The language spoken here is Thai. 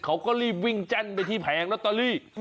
เขาก็รีบวิ่งแจ้นไปที่แผงลอตเตอรี่